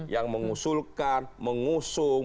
yang mengusulkan mengusung